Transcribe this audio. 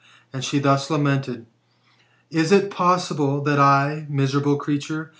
And she thus lamented :" Is it possible, that I, miserable creature !